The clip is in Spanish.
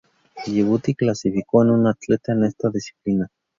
Yibuti clasificó a una atleta en esta disciplina.